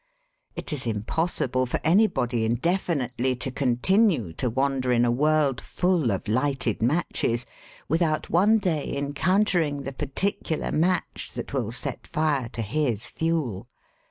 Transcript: It is impossible for anybody indefinitely to continue to wander in a world full of lighted matches without one day encountering the particular match that will set fire to his fuel.